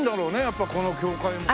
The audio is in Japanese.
やっぱこの教会も。